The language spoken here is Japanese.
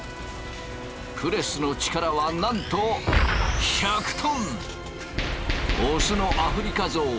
プレスの力はなんとオスのアフリカゾウ